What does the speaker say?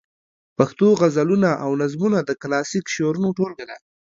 پښتو غزلونه او نظمونه د کلاسیک شعرونو ټولګه ده.